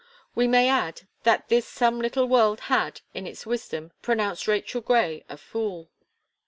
We may add, that this some little world had, in its wisdom, pronounced Rachel Gray a fool.